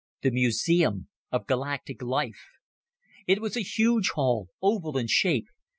The museum of galactic life! It was a huge hall, oval in shape.